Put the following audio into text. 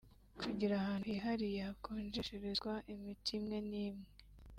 kugira ahantu hihariye hakonjesherezwa imiti imwe n’imwe